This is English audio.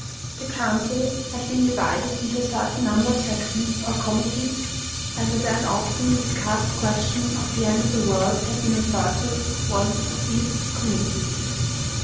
The council had been divided into a certain number of sections or committees, and the then often discussed ques tion of the end of the world had been referred to one of these committees.